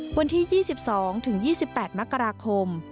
วันที่๒๒๒๘มกราคม